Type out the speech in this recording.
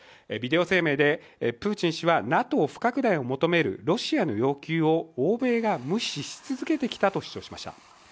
ビデオ声明でプーチン氏はＮＡＴＯ不拡大を求めるロシアの要求を欧米が無視し続けてきたと主張しました。